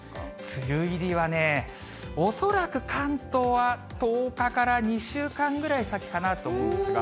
梅雨入りはね、恐らく関東は１０日から２週間ぐらい先かなと思うんですが。